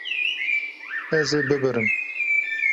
Ez ê bibirim.